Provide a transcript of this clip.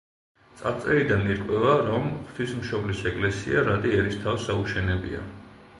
წარწერიდან ირკვევა, რომ ღვთისმშობლის ეკლესია რატი ერისთავს აუშენებია.